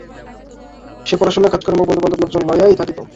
সে পড়াশুনা কাজকর্ম বন্ধুবান্ধব লোকজন লইয়াই থাকিত।